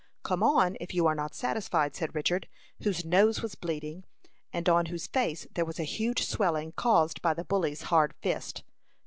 "Come on if you are not satisfied," said Richard, whose nose was bleeding, and on whose face there was a huge swelling, caused by the bully's hard fist.